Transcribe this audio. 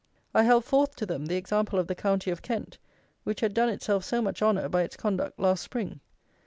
I held forth to them the example of the county of Kent, which had done itself so much honour by its conduct last spring.